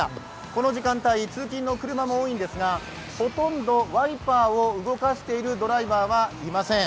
この時間帯、通勤の車も多いんですがほとんどワイパーを動かしているドライバーはいません。